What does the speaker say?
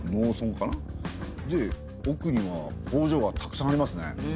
でおくには工場がたくさんありますね。